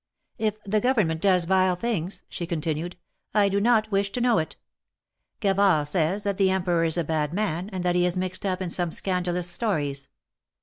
If the Government does vile things," she continued, I do not wish to know it. Gavard says that the Emperor is a bad man, and that he is mixed up in some scandalous stories.